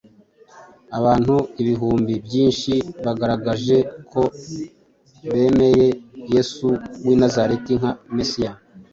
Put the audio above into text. abantu ibihumbi byinshi bagaragaje ko bemeye Yesu w’ i Nazareti nka Mesiya.